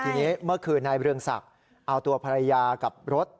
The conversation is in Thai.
ทีนี้เมื่อคืนนายเรืองศักดิ์เอาตัวภรรยากับรถ